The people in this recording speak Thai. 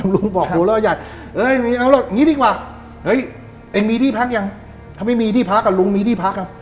ลุงบอกหัวเราะใหญ่เอ้ยมีที่พักยังถ้าไม่มีที่พักกับลุงมีที่พักครับ